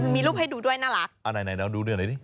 มีรูปให้ดูด้วยน่ารักเอาไหนเราดูด้วยไหนดิ